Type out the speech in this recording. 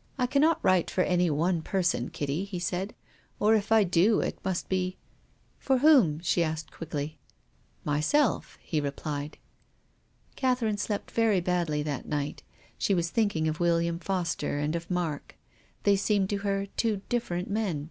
" I cannot write for any one person, Kitty," he said, " or if I do it must be "" For whom ?" she asked quickly. " Myself," he replied. Catherine slept very badly that night. She was thinking of William Foster and of Mark. They seemed to her two different men.